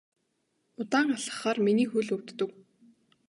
Удаан алхахлаар миний хөл өвддөг.